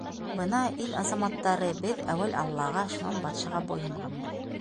— Бына, ил аҙаматтары, беҙ әүәл аллаға, шунан батшаға буйһонғанбыҙ.